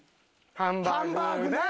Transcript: ハンバーグね！